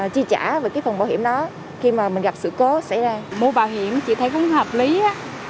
chi trả về cái phần bảo hiểm đó khi mà mình gặp sự cố xảy ra mua bảo hiểm chị thấy không hợp lý á